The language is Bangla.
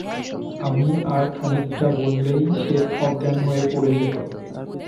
আমি আর খানিকটা বললেই সে অজ্ঞান হয়ে পড়ে যেত।